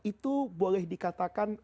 itu boleh dikatakan